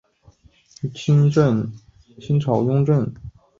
清朝雍正年间筑阿勒楚喀城设县。